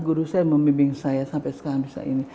guru saya membimbing saya sampai sekarang